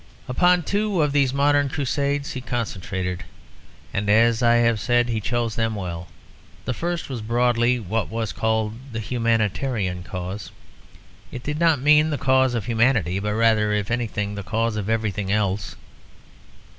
Upon two of these modern crusades he concentrated, and, as I have said, he chose them well. The first was broadly what was called the Humanitarian cause. It did not mean the cause of humanity, but rather, if anything, the cause of everything else.